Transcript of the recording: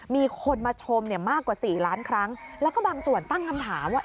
มีคนมาชมเนี่ยมากกว่าสี่ล้านครั้งแล้วก็บางส่วนตั้งคำถามว่า